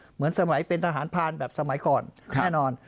เหมือนสมัยเป็นทหารพานแบบสมัยก่อนแน่นอน